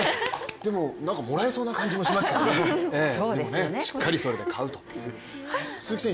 でももらえそうな感じもしますけどね、でもしっかりそれで買うと。